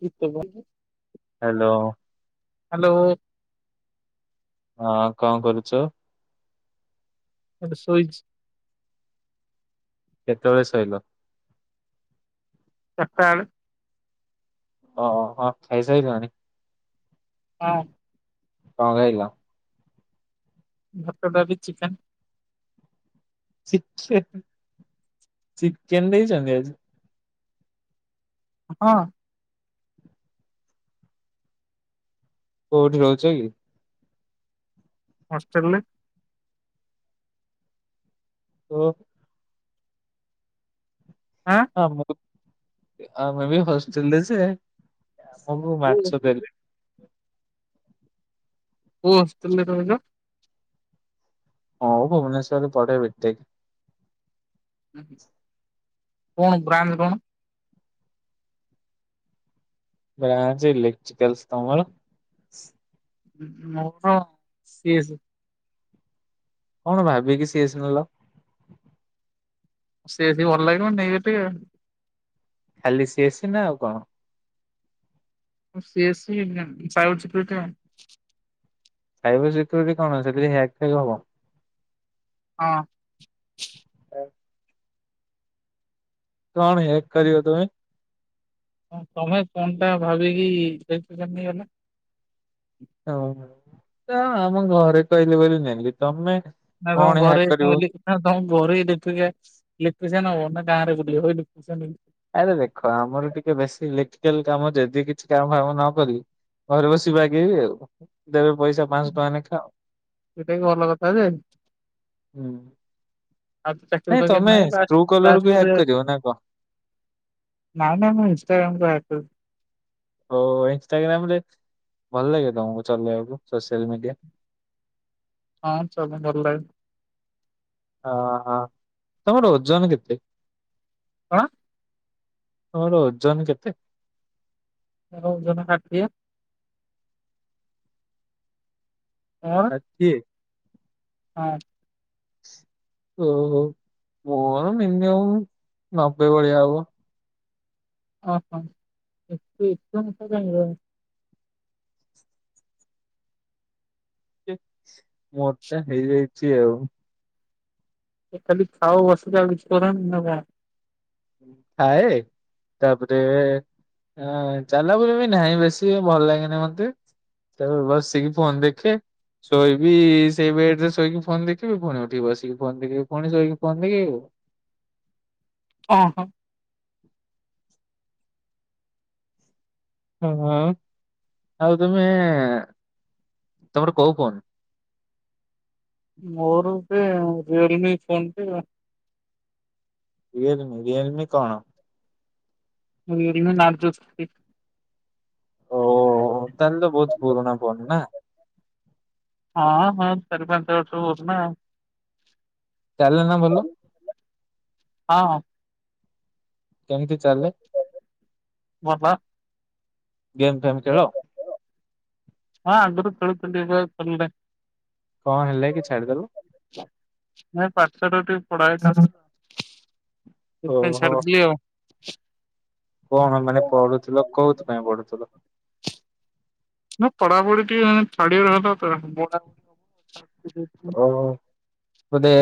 କିତ [inaudible] hello ହଁ କଣ କରୁଛୁ ମୁଁ ଟିକେ ସୋଇଛି କେତେବେଳେ ଶୋଇଲ? ଚାରିଟାବେଳେ ଓ ହ, ଖାଇସାରିଲଣି? ହଁ। କଣ ଖାଇଲ? ଭାତ, ଡାଲି, ଚିକେନ୍ ଚିକେ ଚିକେନ ଦେଇଛନ୍ତି ଆଜି? ହଁ। କୋଉଠି ରହୁଛ କି? ହଷ୍ଟେଲରେ ହ ଆଁ ଆମ ଆମେ ବି ହଷ୍ଟେଲରେ ଜେ ଆମକୁ ମାଛ କୋଉ ଦେଲେ। କୋଉ ହଷ୍ଟେଲ ରେ ରହୁଛ? ଓ, ଭୁବନେଶ୍ୱରରେ [unintelligible] ଭି କଣ, ଗ୍ରାମ କଣ [unintelligible] ବ୍ର ସେଇଲେେଖଛି କେଲସ୍ ମର [unintelligible] ମୋର [unintelligible] କଣ ଭାବ କି [unintelligible] ସ ଆସିନଲ ସେ ସ ଭଲ ଲାଗ ନେଇ ସେ ଟିକ [unintelligible] ଖାଲି ସିଏସି ନା ଆଉ କଣ? ସିଏସି [unintelligible] ସାଇବାର ସିକ୍ୟରିଟି କଣ ଅ ସେି ଏକଥାକ ହବ [unintelligible] ହଁ ହ [unintelligible] କଣ ହେକ ହଁ। କର ତୁମେ? ତମେ ଫନ୍ ଟା ଭାବିକି [unintelligible] ସେ ନେଇଗଲା। ହ ତା [unintelligible] ଆମ ଘରେ କହିଲେ ବୋଲି ନେଲି ତମେ ନା କଣ ଘରେ ହ୍ୟାକ୍ କରିବ କ ଘରୁୋଇ ଦେଖୁିକେ ଲେଖୁଛେନ ନା ଗାଁ ରେ ଗୁ ଲଖୁଛନ [unintelligible] ଆରେ ଦେଖ, ଆମର ଟିକେ ବେଶୀ ଇଲେକ୍ଟ୍ରିକାଲ କାମ, ଯଦି କିଛି କାମ ଫାମ ନ କରି ଘରେ ବସିବାଗେଇବି ଆଉ ଦେବେ ପଇସା, ପାଞ୍ଚଶ ଟଙ୍କା ନେ ଖାଅ ସେଇଟା ବି ଭଲ କଥା ଯେ ହଁ, ଆଉ ତ ଚାକିରି ନାଇଁ ଫାକିରି ତମେ, ନାହିଁ ସ୍ [unintelligible] କଲର ବି ହକ୍ କରିଛ ନା କ ନା ନାଇ ମୁଁ ଇଷ୍ଟାଗ୍ରାମ କପ ହ ଇନଷ୍ଟଟାଗ୍ରାମରେ ଭଲ ଲାଗେ ତମକୁ ଚଲେଇବାକୁ ସୋସିଆଲ ମିଡିଆ [inaudible] ହଁ ଚଲା ଭଲ। ହ ହ ତମର ଓଜନ କେତେ? ହ ତୋର ଓଜନ କେତେ? ମୋର ଓଜନ ଷାଠିଏ। ମୋର ଷାଠିଏ? ହଁ। ଓହୋ ମୋର ମିନିମମ୍ ନବେ ଭଳିଆ ହବ। ଓହୋ ଏତେ ଏତେ ମୋଟା କାଇଁ ହେଇଯାଉଚୁ? ଏ ମୋଟା ହେଇଯାଇଛି ଆଉ। ଖାଲି ଖାଉ ବସୁଚୁ ଆଉ କିଛି କରୁନି ନା କଣ? ଖାଏ ତାପରେ। ଏଁ ଚାଲା ବୁଲି ବି ନାହିଁ ବେଶୀ ଭଲ ଲାଗେନି ମତେ। ତାପରେ ବସିକି ଫୋନ ଦେଖେ। ଶୋଇବି ସେଇ ବେଡରେ ଶୋଇକି ଫୋନ ଦେଖିବି ପୁଣି ଉଠିକି ବସିକି ଫୋନ ଦେଖିବି ପୁଣି ଶୋଇକି ଫୋନ ଦେଖିବି। ଓଁ ହ। ହଁ ହଁ ଆଉ ତମେ ତମର କୋଉ ଫୋନ? ମୋର ପେ ରିୟଲମି ଫୋନ ଥିଲା। ରିୟଲମି ରିୟଲମି କଣ? ରିୟଲମିର ନାର୍ଜୋ ସିକ୍ସଟି। ଓହୋ ତାହେଲେ ତ ବହୁତ ପୁରୁଣା ଫୋନ୍ ନା? ହଁ ହଁ ଚାରି ପାଞ୍ଚ ବର୍ଷ ପୁରୁଣା। ଚାଲେ ନା ଭଲ? ହଁ ହଁ କେମିତି ଚାଲେ? ଭଲ ଗେମ ଫେମ ଖେଳ? ହଁ ଆଗୁରୁ ଖେଳୁଥିଲି ଏବେ ଆଉ ଖେଳୁନି ପା। କଣ ହେଲା କି ଛାଡିଦେଲ? ନାଇ ପାଠ ଶାଠ ଟି ପଢ଼ା ହେଇନଥାନ୍ତା ସେଥିପାଇଁ ଓହୋ ଛାଡ଼ିଦେଲି ଆଉ। କଣ ମାନେ ପଢୁଥିଲ କଉଥିପାଇଁ ପଢୁଥିଲ? ନା ପଢାପଡ଼ି ଟିକେ ମାନେ ଥାର୍ଡ ଇୟର ହେଲା ତ ପଢ଼ା ପଢ଼ି ହବ। [inaudible] ଓହୋ ବଧେ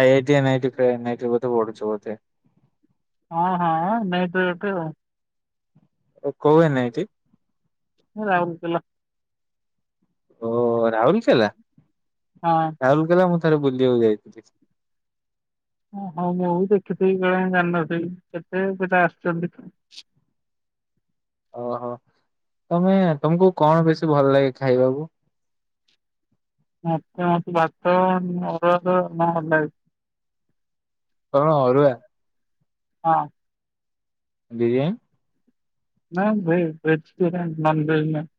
I I T N I T ଫେ ଏନ୍ ଆଇ ଟି ରେ ବୋଧେ ପଢୁଛ ବୋଧେ। ହଁ ହଁ ଏନ୍ ଆଇ ଟି ରେ ତ ଆଉ। କୋଉ ଏନ୍ ଆଇ ଟି? ରାଉଲକେଲା। ଓହୋ ରାଉଲକେଲା ରାଉଲକେଲା ମୁଁ ତ ଥରେ ବୁଲିବାକୁ ଯାଇଥିଲି। ଓ ହୋ ମୁଁ ବି ଦେଖିଥିବି ବେଳେ ଜାଣିିନଥିବି କେତେ [unintelligible] ଆଶୁଛନ୍ତି। ଓହୋ ତମେ ତମକୁ କଣ ବେଶୀ ଭଲ ଲାଗେ ଖାଇବାକୁ? ମତେ ମତେ ଭାତ ଅ ଅରୁଆ ଭାତ [unintelligible] ବି। କଣ ଅରୁଆ? ହଁ। ବିରୀୟାନ। ନା ଭେ-ଭେଜିଟେରିଆନ ନନ ଭେଜ ନାହି।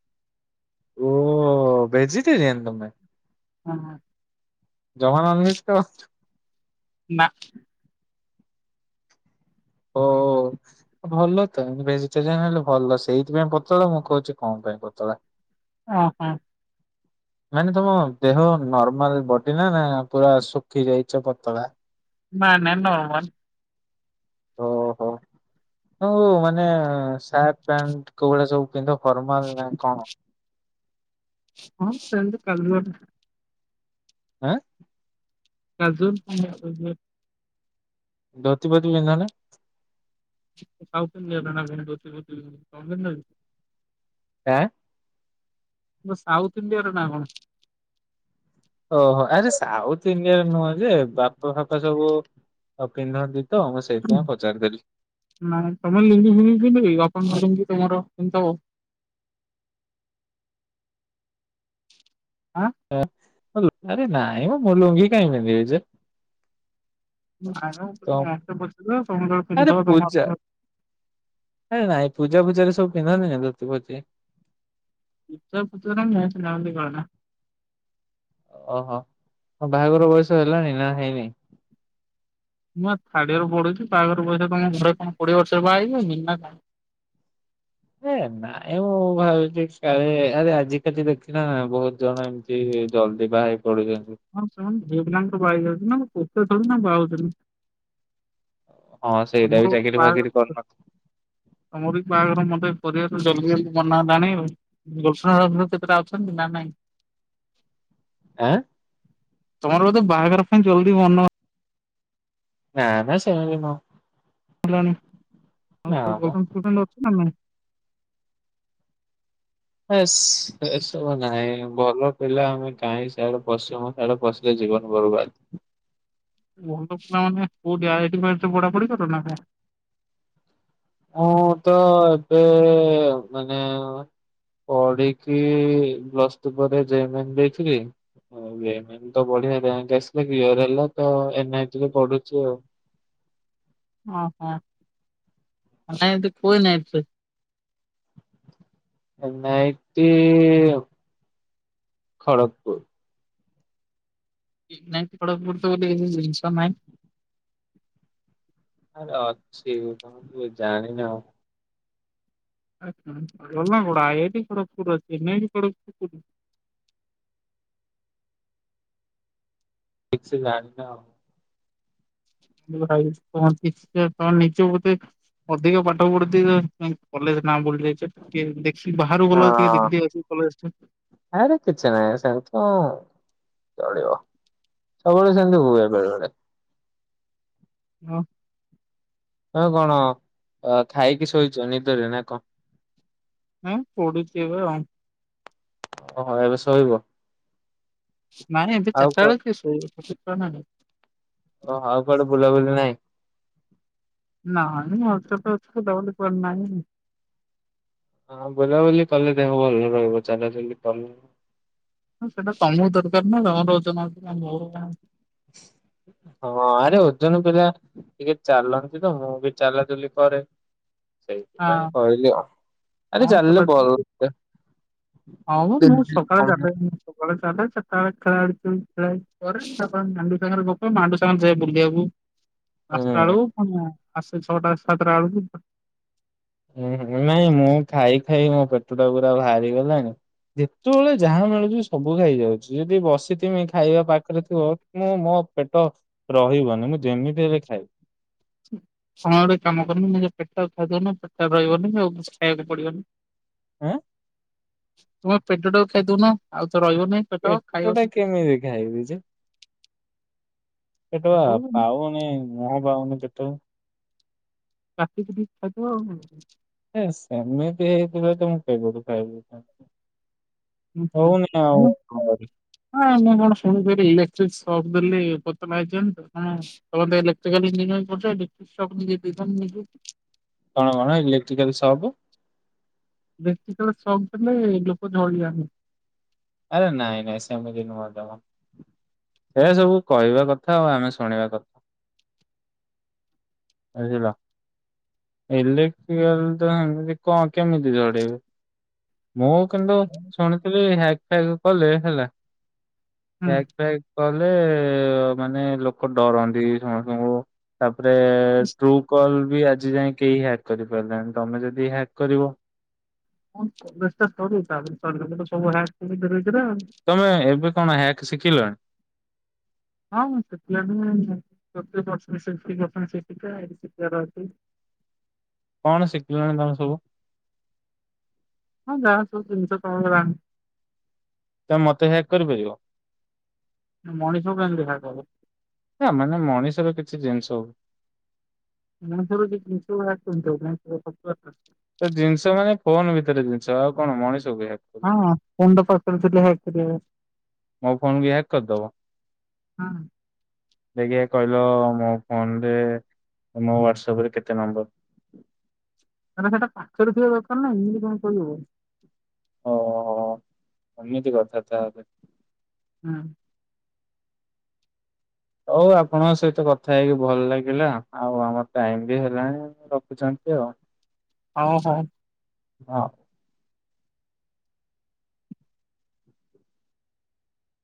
ଓହୋ ଭେଜିଟେରିଆନ ତମେ? ହଁ ହଁ। ଜମା ନନଭେଜ୍ ଖାଉଚ। ନା। ଓହୋ ଭଲ ତ ମାନେ ଭେଜିଟେରିଆନ ହେଲେ ଭଲ ସେଇଥିପାଇଁ ପତଳା ମୁଁ କହୁଛି କଣ ପାଇଁ ପତଳା। ଅ ହାଁ। [inaudible] ମାନେ ତମ ଦେହ ନର୍ମାଲ ବଡି ନା ନା ପୁରା ଶୁଖି ଯାଇଛ ପତଳା। ନା ନା ନର୍ମାଲ। ଓ ହୋ। ହଉ ମାନେ ସାର୍ଟ ପ୍ୟାଣ୍ଟ କୋଉଗୁଡା ସବୁ ପିନ୍ଧ ଫର୍ମାଲ ନା କଣ? ହଁ ସେନ୍ତି ନର୍ମାଲ। ଆଁ। [unintelligible] ଧୋତି ଫୋତି ପିନ୍ଧନି। ସାଉଥ୍ ଇଣ୍ଡିଆ [unintelligible] ଆଁ। ତମ ସାଉଥ୍ ଇଣ୍ଡିଆ ର ନାଁ କଣ? ଓହୋ ଆରେ ସାଉଥ ଇଣ୍ଡିଆରେ ନୁହଁ ଯେ ବାପା ଫାପା ସବୁ ପିନ୍ଧନ୍ତି। ତ ମୁଁ ସେଇଥିପାଇଁ ପଚାରିଦେଲି ନାଇଁ ତମେ ଲିଡି ଫିଡି କି ପିନ୍ଧିବି। ଅ କଣ ଭଲ କି ତମର କେନ୍ତା ହ। ଆଁ ଆରେ ନାଇଁ ମ ମୁଁ ଲୁଙ୍ଘି କାଇଁ ପିନ୍ଧିବି ଯେ। ତ ଆରେ ପୂଜା [unintelligible] ଆରେ ନାଇଁ ପୂଜା ଫୂଜା ରେ ସବୁ ପିନ୍ଧନ୍ତିି ଧୋତି ଫୋତି। [unintelligible] ଓହୋ ବାହାଘର ବୟସ ହେଲାଣି ନା ହେଇନି। ମୁଁ ଥାର୍ଡ ଇୟର ପଢୁଛି। ବାହାଘର ବୟସ ତମ ଘରେ କଣ କୋଡିଏ ବର୍ଷରେ ବାହା ହେଇବ ନା କଣ। ଏ ନାଇଁ ମୁଁ ଭାବୁଛି କାଳେ ଆରେ ଆଜିିକାଲି ଦେଖିଲ ବହୁତ ଜଣ ଏମିତି ଜଲଦି ବା ହେ ହଁ ସେମାନେ ଝିଅ ପିଲା ତ ବାହା ହେଇ ଯାଉଛନ୍ତି ନା ପୁଅ ପିଲା ଥୋଡିନା ବାହା ହୋଉଛନ୍ତି। ହଁ ସେଇଟା ବି ତମର ଚାକିରି ଫାକିରି ବାହାଘର କରିନଥିବ ତମର ବି ବାହାଘର ମ ପରିବାର ଜଲଦି ଜଲଦି ମନା ହେଲାଣିଷ୍ କେତେଟା ଅଛନ୍ତି ନା ନାଇଁ। ଆଁ। ତମର ବଧେ ବାହାଘର ଫ ଜଲ୍ଦି ମନ ନା ନା ସେମିତି ନୁହଁ। ହେଲା ନା ମ ଆଉ। [unintelligible] S S. ନାଇଁ ଭଲ ପିଲା ଆମେ କାହିଁ ସିଆଡେ ପସିବୁ। ସିଆଡେ ପସିଲେ ଜୀବନ ବର୍ବାଦ। ଭଲ ପିଲାମାନେ କୋଉଠି ଆଇଟେ ଫାଏଷ୍ଟେ ପଢା ପୁଢି କର ନା କଣ। ମୁଁ ତ ଏବେ ମାନେ ପଢିକି ପ୍ଲସ ଟୁ ପରେ ଜେ ଏମେ ନେ ଦେଇଥିଲି। ହ ହୁଏ ଏମାନେ ତ ବଢିଆ ରିଆଙ୍କେ ଆସିଲେ ପର ହେଲା ତ ଏନେ ଆଇ ଟି ରେ ପଡୁଛୁ ଆଉ। [inaudible] ଓହୋ ନାଇଁ କୋଇ ନାଇଁ ତ। ନାଇଟି ଖଡକପୁର୍। ନାଇଁ ଖଡକ୍‌ପୁର ଗୋଟେ ତ କିଛି ଜିନିଷ ନାହିଁ। ଆରେ ଅଛି ତମେ ଜାଣି ନାହଁ। [unintelligible] ଖଡକପୁର୍ ଅଛି। [unintelligible] [inaudible] ଠିକ୍ ସେ ଜାଣି ନା ଆଉ। [unintelligible] ଅଧିକ ପାଠ ପଢୁଥିବେ। କିନ୍ତୁ କଲେଜ ନାଁ ବୁଲି ଯାଇଚନ୍‌ କିଏ ଦେକ୍ ବାହାରକୁ ଗଲାବେଳକୁ ଟିକେ ହଁ ଦେଖି ଦେଇଆଉଛି କଲେଜ ଟା। ଆରେ କିଛି ନାହିଁ ସେମିତି କଣ ଚଳିବ ସବୁବେଳେ ସେମତି ହୁଏ ବେଳେ ବେଳେ। ଅଁ। ହଁ କଣ ଖାଇକି ଶୋଇଛ ନିଦରେ ନା କଁ। ହଁ ପଢ଼ୁଚି ଏବେ ଆଉ। ଓହୋ ଏବେ ଶୋଇବ? ନାଇଁ ଏବେ ଆଉ ଚାରିଟା କୁଆ ବେଳେ କିଏ ଶୋଇବ ଛୁଆ ନା ଓ ଆଉ କୁଆଡେ ବୁଲାବୁଲି ନାହିଁ? ନାଇଁ [unintelligible] କୁଆଡେ ନାହିଁ। ହଁ ବୁଲାବୁଲି କଲେ ଦେହ ଭଲ ରହିବ, ଚାଲା ଚାଲି କଲେ। ସେଇଟା ତମକୁ ଦରକାର ନା ତମର ଓଜନ ଅଛି ନା ମୋ କଣ [inaudible] ହଁ ଆରେ ଓଜନ ପିଲା ଟିକେ ଚାଲନ୍ତି ତ ମୁଁ ବି ଚାଲାଚାଲି କରେ। ହଁ ସେଇଥିପାଇଁ କହିଲି ଆଉ ହଁ ଆରେ ଚାଲିଲେ ଚଲାଯିବ। ଭଲ ହଁ ମ ମୁଁ ସକାଳେ ଚାଲେନି ସକାଳେ ଚାଲେ ସେ ସକାଳେ [unintelligible] କରେ ତା ପରେ ମାଣ୍ଡୁ ସାଙ୍ଗରେ ଗପେ ମାଣ୍ଡୁ ସ [unintelligible] ବୁଲିଆକୁ ପାଞ୍ଚଟା ବେଳକୁ ହୁଁ ଫୁ ପାଞ୍ଚଟା ଛଅଟା ସାତଟା ବେଳକୁ। ଉଁ ହୁଁ ନାଇଁ ମୁଁ ଖାଇ ଖାଇ ମୋ ପେଟ ଟା ପୁରା ଭାଆରି ଗଲା ଯେତେବେଳେ ଯାହା ମିଳୁଚି ସବୁ ଖାଇଯାଉଚି ଯଦି ବସିଥିମି ଖାଇବା ପାଖରେ ଥିବ ମୁଁ ମୋ ମୋ ପେଟ ରହିବନି ମୁଁ ଯେମିତି ହେଲେ ଖାଇବି। [inaudible] ସମୟ ଗୋଟେ କାମ କରିମି ଏ ପେଟ ଖାଦାନ ପେଟଟା ରାଇବନି ଆଉ କିଛି ଖାଇବାକୁ ପଡିବନି। ଆଁ। ତୁମେ ପେଟଟାକୁ ଖାଇଦୋଉନ ଆଉ ରହିବନି ପେଟ ଖାଇବ ଟା କେମିତି ଖାଇବି ଯେ ପେଟ ପା ପାଉନି ମୁହଁ ପାଉନି ପେଟ କାଟିକି ଖାଇବ ଆଉ। ହେ ସେମିତି ହେଇଥିବ ତ ମୁଁ କେବେ ଠୁ ଖାଇ ଦେଇଥାନ୍ତି। [unintelligible] କଣ କରିବି। ଶୁଣିଥିଲି [unintelligible] ଶପ୍ ଦେଲି ପୋତନାଇଜନ୍ [unintelligible] ଇଲେକଟ୍ରିକାଲ୍‌ ଇଞ୍ଜିନିରିଙ୍ଗ ପଡିଥିଲା ଡିପିସପ୍ [unintelligible] କଣ କଣ ଇଲେକ୍ଟ୍ରିକାଲି ସପ୍ ଇଲେକାଟ୍ରିକଲ୍ ସକ୍ ଦେଲେ ଲୋକ ଝଡିଯାଆନ୍ତି। ଆରେ ନାଇଁ ନାଇଁ ସେମିତି ନୁହଁ ଜମା। ଏ ସବୁ କହିବା କଥା ଆଉ ଆମେ ଶୁଣିବା ବୁଝିଲ। ଇଲେକ୍ଟ୍ରିକାଲ୍ ତ ଏମିତି କଅଁ କେମିତି ଝଡ଼େଇବେ? ମୁଁ କିନ୍ତୁ ଶୁଣିଥିଲି ହ୍ୟାଗ ଫ୍ୟାଗ କଲେ ହେଲା ହୁଁ। ହ୍ୟାଗ ଫ୍ୟାଗ କଲେ ଏ ମାନେ ଲୋକ ଡରନ୍ତି ସମସ୍ତଙ୍କୁ ତାପରେ ଟ୍ରୁ କଲ୍ ବି ଆଜି ଯାଇ କେହି ହ୍ୟାକ୍ କରିପାରି ନାହାନ୍ତି, ତମେ ଯଦି ହ୍ୟାକ୍ କରିବ ମୋ କଲେଜ୍ ଟା ସରୁ [unintelligible] ସବୁ ହ୍ୟାଗ [unintelligible] ତମେ ଏବେ କଣ ହ୍ୟାଗ୍ ଶିଖି ହଁ ସେ [unintelligible] କଣ ଶିଖିଲାଣି ତମେ ସବୁ? ହଁ ଯାହା ସବୁ ଜିନିଷ [unintelligible] ତମେ ମତେ ହ୍ୟାଗ୍ କରିପାରିବ? ମଣିଷକୁ କାହିଁକି ହ୍ୟାକ୍ ହବ। ନା ମାନେ ମଣିଷର କେତେ କି ଜିନିଷ ହବ [unintelligible] ଛ ଆଉ ମଣିଷ ହଁ [unintelligible] ଥିଲେ ହ୍ୟାଗ୍ କରିହେବ। ମୋ ଫୋନ କି ହ୍ୟାକ୍ କରିଦବ। ହଁ। ଯ କହିଲ ମୋ ଫୋନରେ ମୋ ହ୍ୟାଡସପ ରେ କେତେ ନମ୍ବର? ହଁ ଆରେ ସେଟା ପାଖ ରେ ଥିବା ଦରକାର ନା ଏମିତି କଣ ଚଳିବ। ଓହୋ ଏମିତି କଥା ତାହାଲେ? ହୁଁ। ହୋଉ ଆପଣଙ୍କ ସହିତ କଥା ହେଇକି ଭଲ ଲାଗିଲା। ଆଉ ଆମର ଟାଇମ୍ ବି ହେଲାଣି ରଖୁଛନ୍ତି। କୁଆ ହଁ ହଁ। ହଁ।